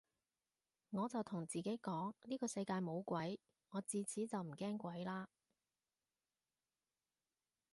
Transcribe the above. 我就同自己講呢個世界冇鬼，我自此就唔驚鬼嘞